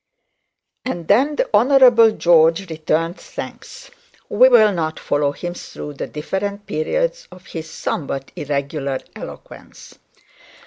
And then the Honourable George returned thanks. We will not follow him through the different periods of his somewhat irregular eloquence.